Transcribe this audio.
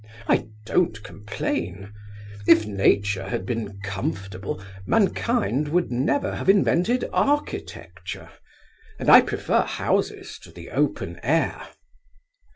I don't complain. If Nature had been comfortable, mankind would never have invented architecture, and I prefer houses to the open air.